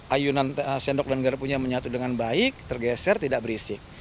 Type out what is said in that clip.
ayunan sendok dan gerpunya menyatu dengan baik tergeser tidak berisik